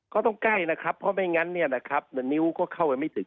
ก็ต้องใกล้นะครับเพราะไม่อย่างนั้นนิ้วก็เข้าไปไม่ถึง